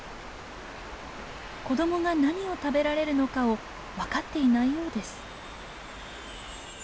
子どもが何を食べられるのかを分かっていないようです。